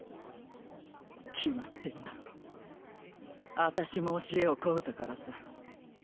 決まってんだろあたしも教えを請うたからさ。